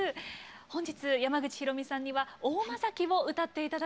本日山口ひろみさんには「大間崎」を歌って頂きます。